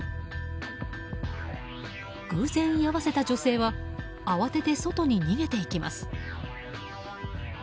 偶然居合わせた女性は慌てて外に逃げていきます。